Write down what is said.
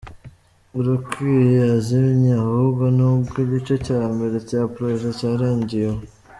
urukwiye yazimye, ahubwo ni uko igice cya mbere cya projet cyarangiye, ubu.